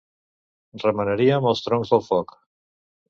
Remenaríem els troncs del foc.